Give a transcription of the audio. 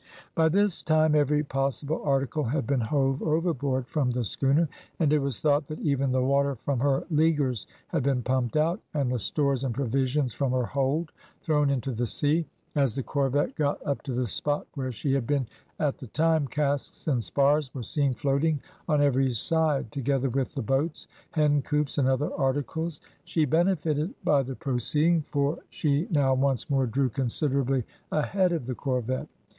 By this time every possible article had been hove overboard from the schooner, and it was thought that even the water from her leaguers had been pumped out, and the stores and provisions from her hold thrown into the sea. As the corvette got up to the spot where she had been at the time, casks and spars were seen floating on every side, together with the boats, hencoops, and other articles. She benefited by the proceeding, for she now once more drew considerably ahead of the corvette.